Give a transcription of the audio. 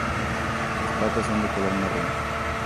Sus patas son de color marrón.